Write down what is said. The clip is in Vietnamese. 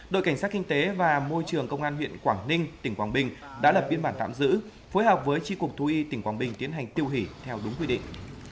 đội cảnh sát kinh tế và môi trường công an huyện quảng ninh tỉnh quảng bình đã lập biên bản tạm giữ phối hợp với tri cục thú y tỉnh quảng bình tiến hành tiêu hủy theo đúng quy định